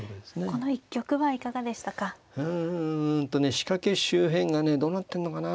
仕掛け周辺がねどうなってんのかな。